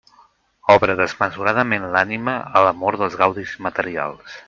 Obre desmesuradament l'ànima a l'amor dels gaudis materials.